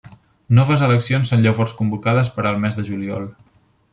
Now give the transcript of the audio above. Noves eleccions són llavors convocades per al mes de juliol.